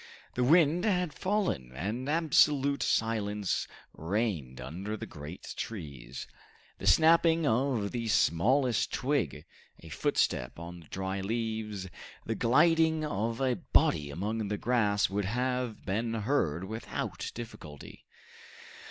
The wind had fallen, and absolute silence reigned under the great trees. The snapping of the smallest twig, a footstep on the dry leaves, the gliding of a body among the grass, would have been heard without difficulty.